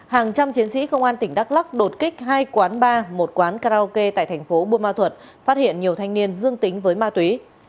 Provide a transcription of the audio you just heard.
hàng trăm chiến sĩ công an tỉnh đắk lắc đột kích hai quán bar một quán karaoke tại thành phố buôn ma thuật phát hiện nhiều thanh niên dương tính với ma túy